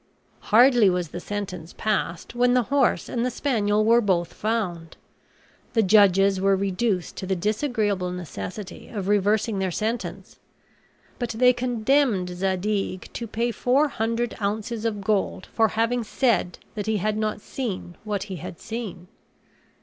Hardly was the sentence passed when the horse and the spaniel were both found. The judges were reduced to the disagreeable necessity of reversing their sentence; but they condemned Zadig to pay four hundred ounces of gold for having said that he had not seen what he had seen.